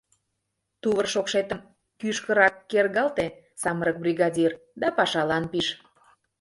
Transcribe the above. — тувыр шокшетым кӱшкырак кергалте, самырык бригадир, да пашалан пиж.